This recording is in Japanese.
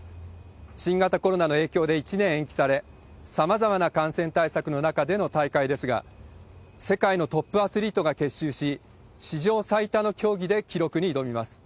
新型コロナの影響で１年延期され、さまざまな感染対策の中での大会ですが、世界のトップアスリートが結集し、史上最多の競技で記録に挑みます。